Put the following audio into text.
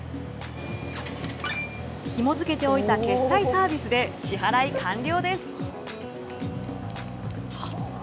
ひも付けておいた決済サービスで、支払い完了です。